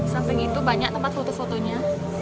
samping itu banyak tempat foto fotonya